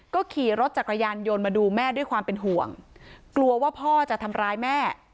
ก็ขี่รถจักรยานยนต์มาดูแม่ด้วยความเป็นห่วงกลัวว่าพ่อจะทำร้ายแม่